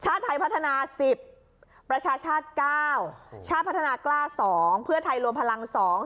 ชาติไทยพัฒนาสิบประชาชาติเก้าชาติพัฒนากล้าสองเพื่อไทยรวมพลังสอง